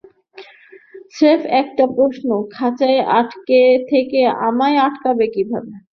স্রেফ একটা প্রশ্ন, খাঁচায় আটকে থেকে আমায় আটকাবে কীভাবে?